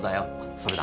それだ！